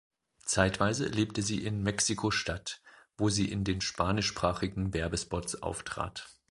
Zeitweise lebte sie in Mexiko-Stadt, wo sie in den spanischsprachigen Werbespots auftrat.